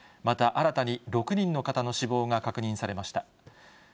また、新たに６人の方の死亡が確認されました。